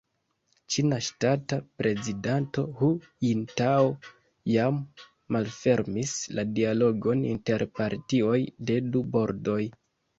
Ĉina ŝtata prezidanto Hu Jintao jam malfermis la dialogon inter partioj de du bordoj.